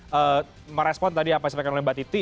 harus merespon tadi apa yang disampaikan oleh mbak titi